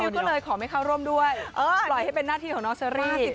ก็เลยขอไม่เข้าร่วมด้วยปล่อยให้เป็นหน้าที่ของน้องเชอรี่